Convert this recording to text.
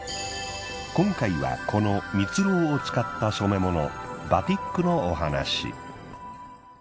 今回はこのミツロウを使った染め物バティックのお話。